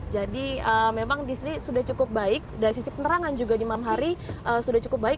jadi memang disini sudah cukup baik dari sisi penerangan juga di maam hari sudah cukup baik